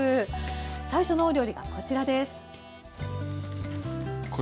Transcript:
最初のお料理がこちらです。